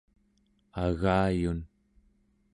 Agayun²